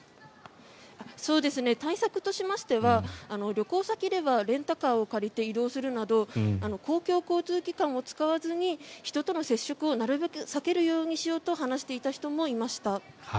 対策としましては旅行先ではレンタカーを借りて移動するなど公共交通機関を使わずに人との接触をなるべく避けるようにしようと話していた方もいました。